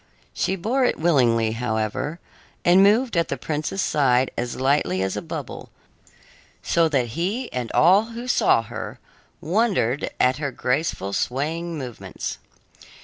She bore it willingly, however, and moved at the prince's side as lightly as a bubble, so that he and all who saw her wondered at her graceful, swaying movements.